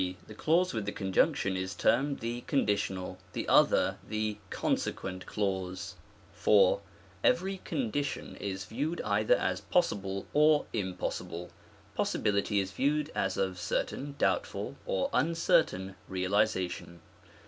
The clause with the conjunction is termed the conditional^ the other the consequent clause. §141. COORDrNATE 8EIJTEN0ES. 203 4. Every condition is viewed either as possible, or impossible. Possibility is viewed as of certain, doubt ful, or uncertain realization.